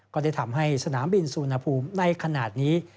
ก็ได้ทำให้สนามบินสุวรรณภูมิในขณะนี้